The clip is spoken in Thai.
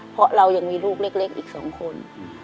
เพราะเรายังมีลูกเล็กอีก๒คน